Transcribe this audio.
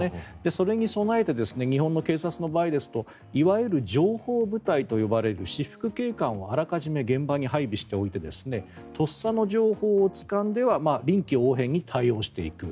それに備えて日本の警察の場合ですといわゆる情報部隊と呼ばれる私服警官をあらかじめ現場に配備しておいてとっさの情報をつかんでは臨機応変に対応していく。